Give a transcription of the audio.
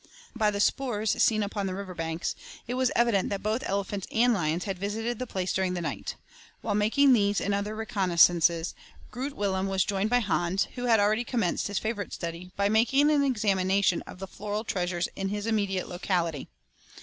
By the "spoors" seen upon the river banks, it was evident that both elephants and lions had visited the place during the night. While making these and other reconnoissances, Groot Willem was joined by Hans, who had already commenced his favourite study by making an examination of the floral treasures in his immediate locality.